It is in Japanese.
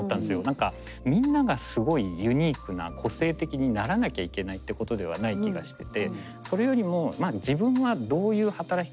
何かみんながすごいユニークな個性的にならなきゃいけないってことではない気がしてて。